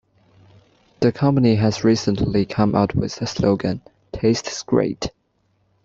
The company has recently come out with the slogan, Tastes great!